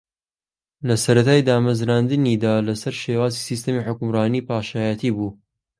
لە سەرەتای دامەزراندنییدا لەسەر شێوازی سیستمی حوکمڕانی پاشایەتی بوو